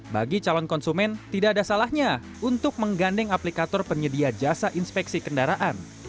bagi calon konsumen tidak ada salahnya untuk menggandeng aplikator penyedia jasa inspeksi kendaraan